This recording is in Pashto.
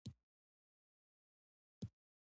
باید د افغاني الهیاتو خبره وکړو.